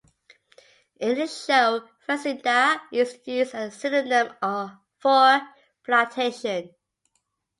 In the show, "fazenda" is used as a synonym for plantation.